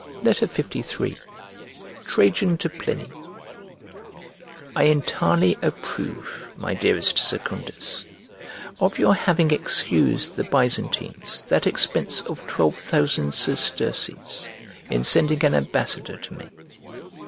LIII TRAJAN TO PLINY I ENTIRELY approve, my dearest Secundus, of your having excused the Byzantines that expense of twelve thousand sesterces in sending an ambassador to me.